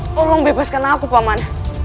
tolong bebaskan aku paman